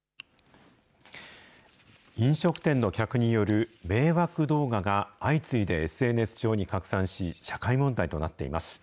飲食店の客による迷惑動画が相次いでＳＮＳ上に拡散し、社会問題となっています。